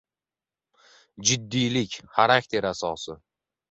Jiddiylik — xarakter asosi.